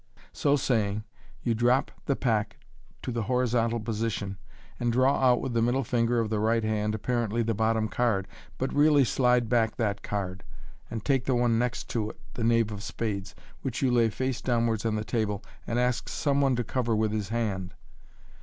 So saying, you drop the pack to the horizontal position, and draw out with the middle finger of the right hand apparently the bottom card, but really slide back that card, and take the one next to it (the knave of spades), which you lay face downwards on the table, and ask some one to cover with his hand.